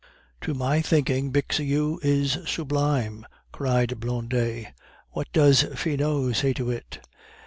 "To my thinking Bixiou is sublime," cried Blondet. "What does Finot say to it?"